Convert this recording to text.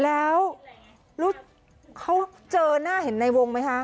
แล้วเขาเจอหน้าเห็นในวงไหมคะ